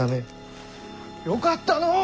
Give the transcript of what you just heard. よかったのう！